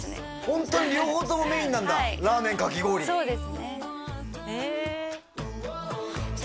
ホントに両方ともメインなんだラーメンかき氷そうですねへえ